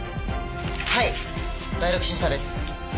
「はい第六審査です」